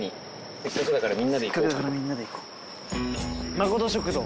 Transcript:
まこと食堂。